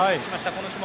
この種目。